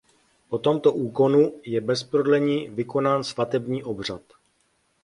Po tomto úkonu je bez prodlení vykonán svatební obřad.